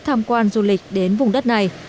tham quan du lịch đến vùng đất này